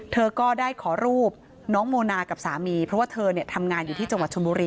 เธอก็ได้ขอรูปน้องโมนากับสามีเพราะว่าเธอทำงานอยู่ที่จังหวัดชนบุรี